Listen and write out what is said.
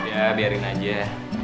ya biarin aja